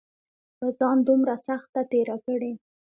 پۀ ځان دومره سخته تېره کړې